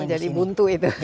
menjadi buntu itu